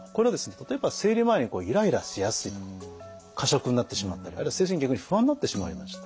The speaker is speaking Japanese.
例えば生理前にイライラしやすいとか過食になってしまったりあるいは精神的に不安になってしまうような状態